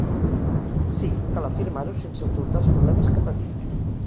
Sí, cal afirmar-ho sense ocultar els problemes que patim.